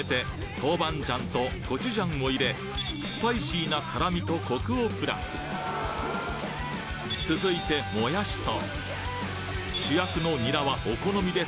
豆板醤とコチュジャンを入れスパイシーな辛味とコクをプラス続いてもやしと主役のニラはお好みでたっぷりと